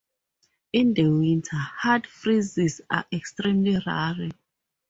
In the winter, hard freezes are extremely rare.